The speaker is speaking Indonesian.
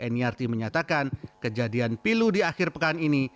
nirt menyatakan kejadian pilu di akhir pekan ini